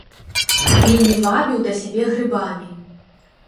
Вельмі вабіў да сябе грыбамі.